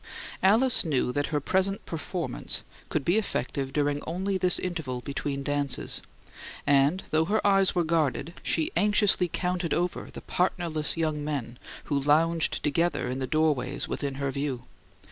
Alice knew that her present performance could be effective during only this interval between dances; and though her eyes were guarded, she anxiously counted over the partnerless young men who lounged together in the doorways within her view.